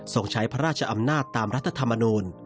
ส่งใช้พระราชอำนาจตามรัฐธรรมนูล